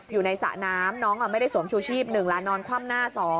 อยู่ในสระน้ำน้องอ่ะไม่ได้สวมชูชีพ๑ล้านนอนคว่ำหน้า๒